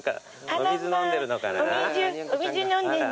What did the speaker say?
お水飲んで。